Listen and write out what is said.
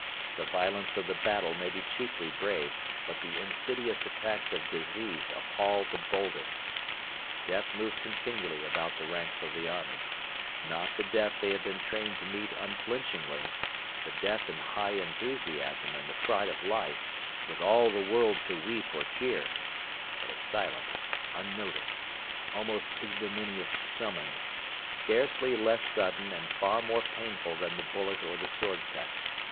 The violence of the battle may be cheaply braved, but the insidious attacks of disease appal the boldest. Death moved continually about the ranks of the army not the death they had been trained to meet unflinchingly, the death in high enthusiasm and the pride of life, with all the world to weep or cheer; but a silent, unnoticed, almost ignominious summons, scarcely less sudden and far more painful than the bullet or the sword cut.